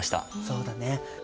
そうだね。